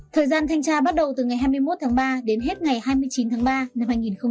thời gian thanh tra bắt đầu từ ngày hai mươi một tháng ba đến hết ngày hai mươi chín tháng ba năm hai nghìn hai mươi